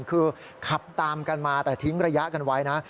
คือขับตามกันมาแต่ทิ้งระยะกันไว้นะ